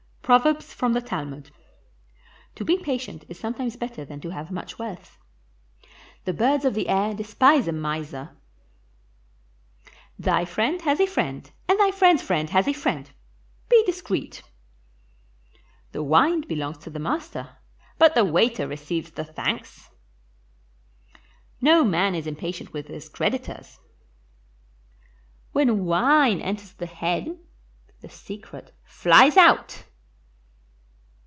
PROVERBS FROM THE TALMUD To be patient is sometimes better than to have much wealth. The birds of the air despise a miser. Thy friend has a friend, and thy friend's friend has a friend; be discreet. The wine belongs to the master, but the waiter re ceives the thanks. No man is impatient with his creditors. When wine enters the head the secret flies out.